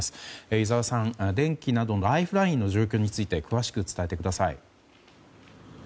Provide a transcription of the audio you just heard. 井澤さん、電気などライフラインの状況について詳しく伝えてください。